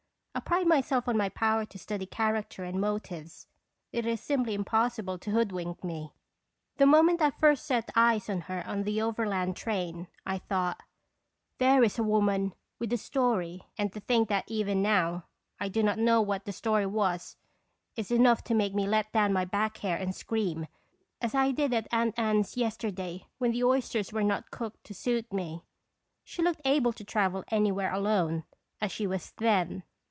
I pride myself on my power to study char acter and motives. It is simply impossible to hoodwink me. The moment I first set eyes on her on the overland train I thought, " There is a woman with a story." And to think that even now I do not know what that story was is enough to make me let down my back hair and scream, as I did at Aunt Ann's yesterday when the oysters were not cooked to suit me. She looked able to travel anywhere alone, as she was then.